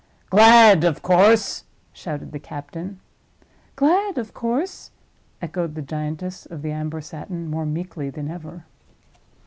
"Glad, of course!" shouted the captain. "Glad, of course," echoed the giantess of the amber satin, more meekly than ever.